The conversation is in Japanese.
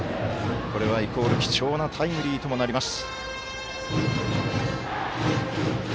これはイコール貴重なタイムリーともなります。